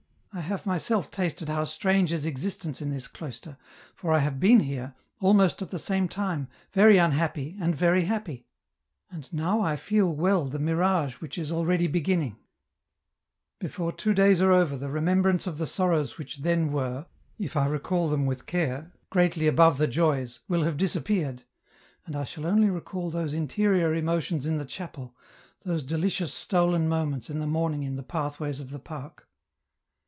I have my self tasted how strange is existence in this cloister, for I have been here, almost at the same time, very unhappy and very happy ; and now I feel well the mirage which is already be ginning : before two days are over the remembrance of the sorrows which then were, if I recall them with care, greatly above the joys, will have disappeared, and I shall only recall those interior emotions in the chapel, those delicious stolen moments in the morning in the pathways of the park.